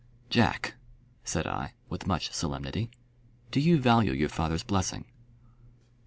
"Jack," said I, with much solemnity, "do you value your father's blessing?"